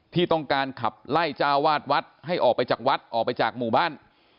ที่ต้องการขับไล่เจ้าวาดวัดให้ออกไปจากวัดออกไปจากหมู่บ้าน